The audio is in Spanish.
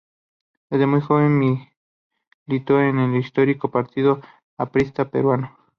Desde muy joven militó en el histórico Partido Aprista Peruano.